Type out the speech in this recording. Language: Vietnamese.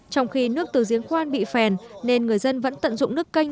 trong khi nước từ giếng khoan bị phèn nên người dân vẫn tận dụng nước canh